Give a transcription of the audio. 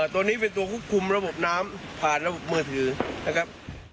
ตัวนี้เป็นตัวควบคุมระบบน้ำผ่านระบบมือถือนะครับ